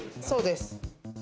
そうです。